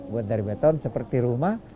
buat dari beton seperti rumah